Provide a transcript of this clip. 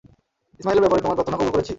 ইসমাঈলের ব্যাপারে তোমার প্রার্থনা কবুল করেছি।